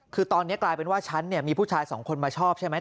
คือตอนนี้กลายเป็นว่าฉันเนี่ยมีผู้ชายสองคนมาชอบใช่ไหม